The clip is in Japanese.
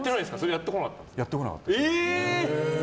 やってこなかった。